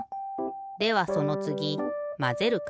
ではそのつぎまぜるか？